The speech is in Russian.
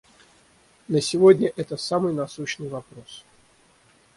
На сегодня это самый насущный вопрос.